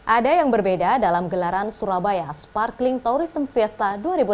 ada yang berbeda dalam gelaran surabaya sparkling tourism fiesta dua ribu enam belas